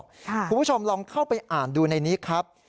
คุณผู้ชมลองเข้าไปอ่านดูในนี้ครับ